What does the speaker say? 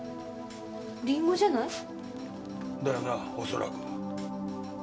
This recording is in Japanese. リンゴじゃない？だよなぁ恐らく。